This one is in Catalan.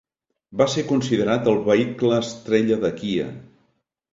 Va ser considerat el vehicle estrella de Kia.